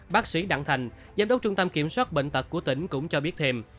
bác sĩ đặng thành giám đốc trung tâm kiểm soát bệnh tật của tỉnh cũng cho biết thêm